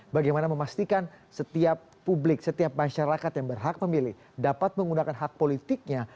bagaimana memastikan setiap publik setiap masyarakat yang berhak memilih dapat menggunakan hak politiknya